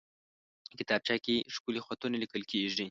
کتابچه کې ښکلي خطونه لیکل کېږي